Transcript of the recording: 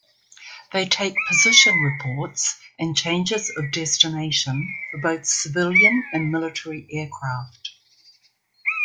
They take position reports and changes of destination for both civilian and military aircraft.